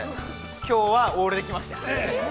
きょうは、オールで来ました。